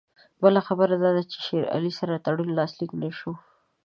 بله خبره دا ده چې له شېر علي سره تړون لاسلیک نه شو.